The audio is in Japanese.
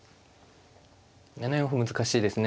７四歩難しいですね。